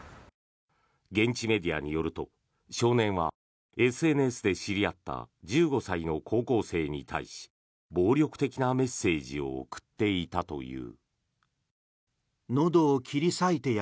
現地メディアによると少年は、ＳＮＳで知り合った１５歳の高校生に対し暴力的なメッセージを送っていたという。